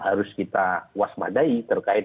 harus kita waspadai terkait